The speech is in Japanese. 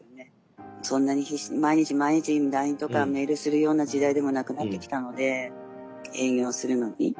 そんなに必死に毎日毎日ＬＩＮＥとかメールするような時代でもなくなってきたので営業するのに。